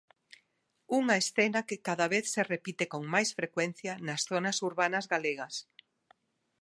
Unha escena que cada vez se repite con máis frecuencia nas zonas urbanas galegas.